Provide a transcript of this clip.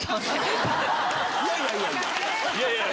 いやいやいやいや！